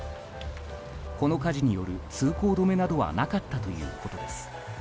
この火事による通行止めなどはなかったということです。